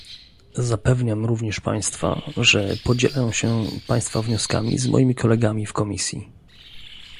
Zapewniam również państwa, że podzielę się państwa wnioskami z moimi kolegami w Komisji